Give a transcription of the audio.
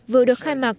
vừa được khai mạc